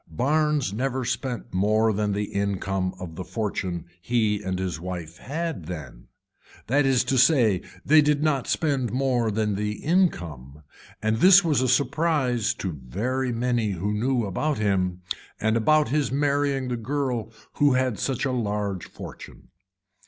Barnes never spent more than the income of the fortune he and his wife had then, that is to say they did not spend more than the income and this was a surprise to very many who knew about him and about his marrying the girl who had such a large fortune.